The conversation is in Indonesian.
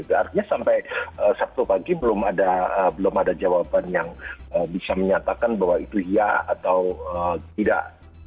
artinya sampai sabtu pagi belum ada jawaban yang bisa menyatakan bahwa itu iya atau tidak